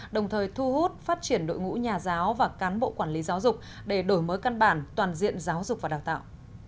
đồng thời thu hút phát triển đội ngũ nhà giáo và cán bộ quản lý giáo dục để đổi mới căn bản toàn diện giáo dục và đào tạo